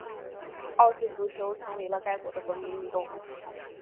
澳式足球成为了该国的国民运动。